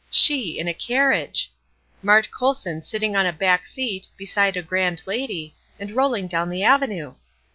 She in a carriage! Mart Colson sitting on a back seat, beside a grand lady, and rolling down the avenue!